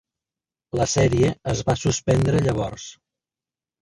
La sèrie es va suspendre llavors.